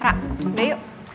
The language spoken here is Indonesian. ra udah yuk